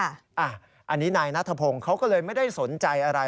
อันนี้นายนัทพงศ์เขาก็เลยไม่ได้สนใจอะไร